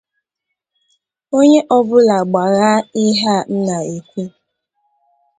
Onye ọbụla gbaghaa ihe a m na-ekwu